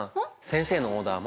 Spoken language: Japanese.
先生のオーダー